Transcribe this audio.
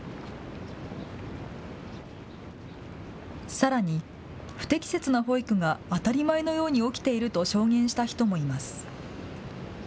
さらに不適切な保育が当たり前のように起きていると証言した人もいます。